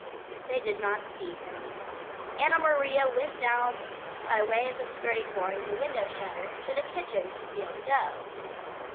They did not see him. Anna Maria went down by way of skirting board and a window shutter to the kitchen to steal the dough.